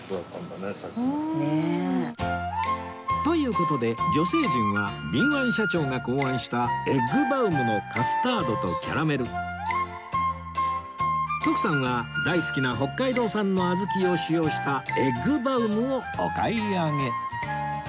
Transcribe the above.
という事で女性陣は敏腕社長が考案したエッグバウムのカスタードとキャラメル徳さんは大好きな北海道産の小豆を使用したエッグバウムをお買い上げ